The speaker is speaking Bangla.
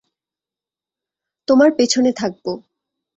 তোমার পেছনে থাকবো।